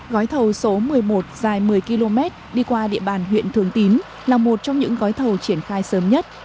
gói thầu số một mươi một dài một mươi km đi qua địa bàn huyện thường tín là một trong những gói thầu triển khai sớm nhất